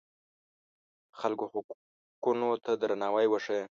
د خلکو حقونو ته درناوی وښیه.